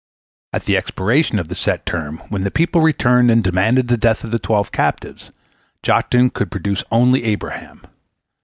At the expiration of the set term, when the people returned and demanded the death of the twelve captives, Joktan could produce only Abraham.